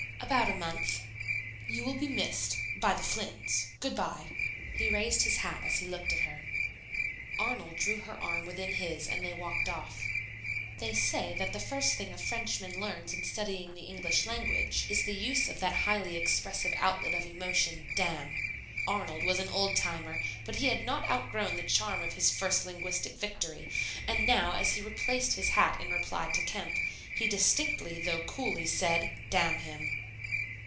"About a month." "You will be missed by the Flynns. Good by." He raised his hat as he looked at her. Arnold drew her arm within his, and they walked off. They say that the first thing a Frenchman learns in studying the English language is the use of that highly expressive outlet of emotion, "Damn." Arnold was an old timer, but he had not outgrown the charm of his first linguistic victory; and now as he replaced his hat in reply to Kemp, he distinctly though coolly said, "Damn him."